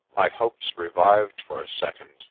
My hopes revived for a second.